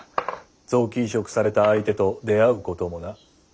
臓器移植された相手と出会うこともな。